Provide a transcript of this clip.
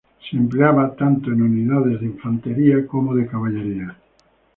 Se empleaba tanto en unidades de infantería como de caballería.